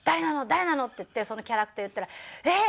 誰なの？」って言ってそのキャラクターを言ったら「ええー！」